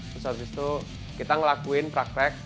terus seterusnya kita ngelakuin praktek